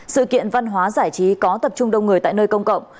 sự kiện văn hóa giải trí có tập trung đông người tại nơi công cộng